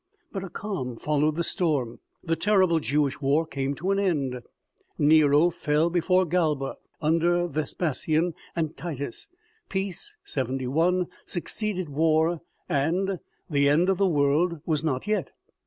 But a calm followed the storm. The terrible Jewish war came to an end ; Nero fell before Galba ; under Ves pasian and Titus, peace (71) succeeded war, and the end of the world was not yet.